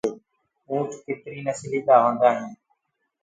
اونَٺا ڪتري نسلي ڪو هوندآ هين